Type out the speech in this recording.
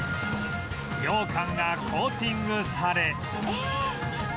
ようかんがコーティングされ